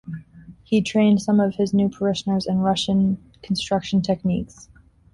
He trained some of his new parishioners in Russian construction techniques.